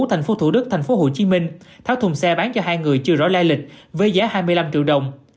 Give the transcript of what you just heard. thành phố thủ đức thành phố hồ chí minh tháo thùng xe bán cho hai người chưa rõ lai lịch với giá hai mươi năm triệu đồng